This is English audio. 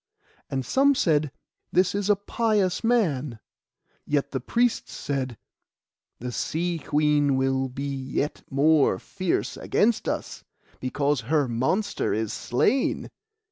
And some said, 'This is a pious man;' yet the priests said, 'The Sea Queen will be yet more fierce against us, because her monster is slain.